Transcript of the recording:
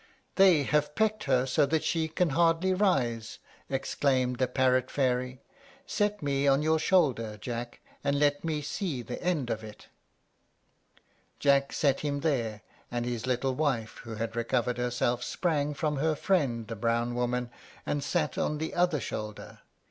"They have pecked her so that she can hardly rise," exclaimed the parrot fairy. "Set me on your shoulder, Jack, and let me see the end of it." Jack set him there; and his little wife, who had recovered herself, sprang from her friend the brown woman, and sat on the other shoulder.